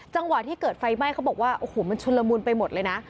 จังหวะที่เกิดไฟไหม้เขาบอกว่าโอ้โหมันชุนละมุนไปหมดเลยนะ